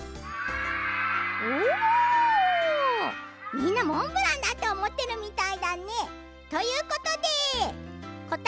みんな「モンブラン」だとおもってるみたいだね。ということでこたえは「モンブラン」。